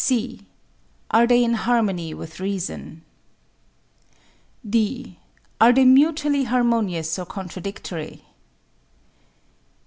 (c) Are they in harmony with reason? (d) Are they mutually harmonious or contradictory?